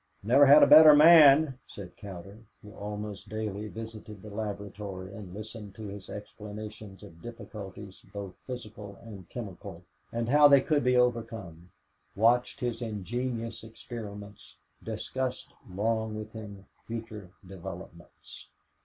"Never had a better man," said Cowder, who almost daily visited the laboratory and listened to his explanations of difficulties both physical and chemical and how they could be overcome watched his ingenious experiments, discussed long with him future developments.